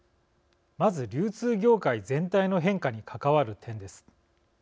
まず、流通業界全体の変化に関わる点です。